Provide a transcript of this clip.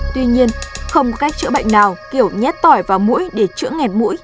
tuy nhiên không có cách chữa bệnh nào kiểu nhét tỏi vào mũi để chữa nghẹt mũi